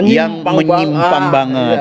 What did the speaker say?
yang menyimpang banget